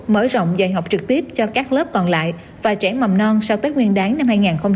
mở rộng dạy học trực tiếp cho các lớp còn lại và trẻ mầm non sau tết nguyên đáng năm hai nghìn hai mươi